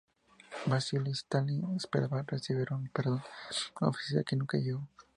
Vasili Stalin esperaba recibir un perdón oficial que nunca llegó.